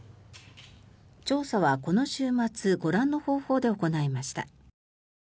調査はこの週末ご覧の方法で行いました。